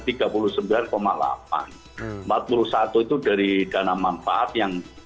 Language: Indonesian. empat puluh satu itu dari dana manfaat yang